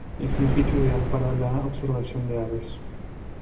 Es un sitio ideal para la observación de aves.